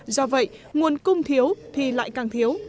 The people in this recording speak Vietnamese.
do vậy nguồn cung thiếu thì lại càng thiếu